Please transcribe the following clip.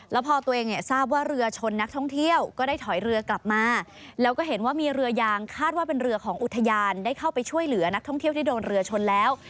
แล้วพอตัวเองเนี่ยทราบว่าเรือชนนักท่องเที่ยวก็ได้ถอยเรือกลับมาแล้วก็เห็นว่ามีเรือยางคาดว่าเป็นเรือของอุทยานได้เข้าไปช่วยเหลือนักท่องเที่ยวที่โดนเรือชนแล้ว